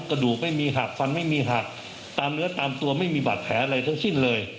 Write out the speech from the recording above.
กระดูกไม่มีหักฟันไม่มีหักตามเนื้อตามตัวไม่มีบาดแผลอะไรทั้งสิ้นเลย